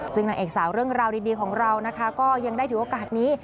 ซึ่งนางเอกสาวเรื่องราวดีของเรานะคะก็ยังได้ถือโอกาสนี้